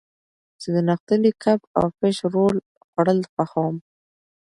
زه د نغښتلي کب او فش رول خوړل خوښوم.